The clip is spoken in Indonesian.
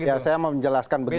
iya saya mau menjelaskan begini